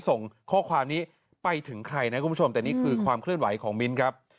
ส่งข้อความนี้ไปถึงใครนะคุณผู้ชมแต่นี่คือความเคลื่อนไหวของมิ้นครับ